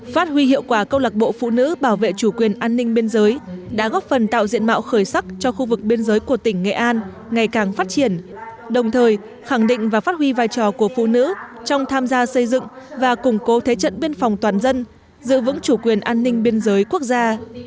phát huy hiệu quả câu lạc bộ phụ nữ bảo vệ chủ quyền an ninh biên giới đã góp phần tạo diện mạo khởi sắc cho khu vực biên giới của tỉnh nghệ an ngày càng phát triển đồng thời khẳng định và phát huy vai trò của phụ nữ trong tham gia xây dựng và củng cố thế trận biên phòng toàn dân giữ vững chủ quyền an ninh biên giới quốc gia